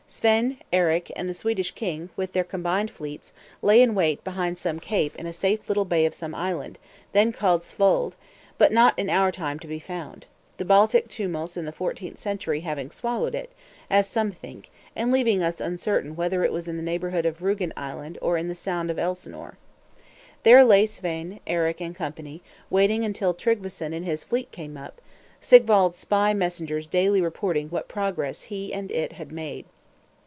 Svein, Eric, and the Swedish king, with their combined fleets, lay in wait behind some cape in a safe little bay of some island, then called Svolde, but not in our time to be found; the Baltic tumults in the fourteenth century having swallowed it, as some think, and leaving us uncertain whether it was in the neighborhood of Rugen Island or in the Sound of Elsinore. There lay Svein, Eric, and Co. waiting till Tryggveson and his fleet came up, Sigwald's spy messengers daily reporting what progress he and it had made.